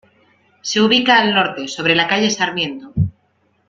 Se ubica al norte, sobre la calle Sarmiento.